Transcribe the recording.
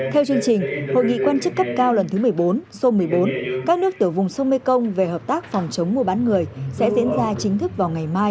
theo chương trình hội nghị quan chức cấp cao lần thứ một mươi bốn các nước tiểu vùng sông mekong về hợp tác phòng chống mua bán người sẽ diễn ra chính thức vào ngày mai